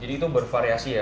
jadi itu bervariasi ya